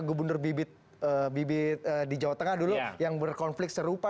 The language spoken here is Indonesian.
gubernur bibit bibit di jawa tengah dulu yang berkonflik serupa